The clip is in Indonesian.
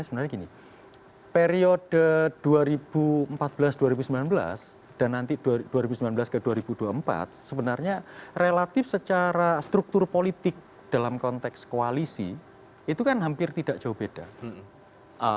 sebenarnya gini periode dua ribu empat belas dua ribu sembilan belas dan nanti dua ribu sembilan belas ke dua ribu dua puluh empat sebenarnya relatif secara struktur politik dalam konteks koalisi itu kan hampir tidak jauh beda